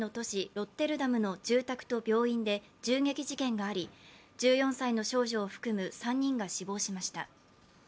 ロッテルダムの住宅と病院で銃撃事件があり１４歳の少女を含む３人が死亡しました。